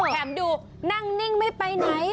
ดูนั่งนิ่งไม่ไปไหน